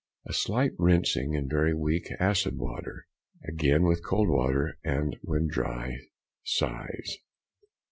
A slight rinsing in very weak acid water, again with cold water, and when dry size.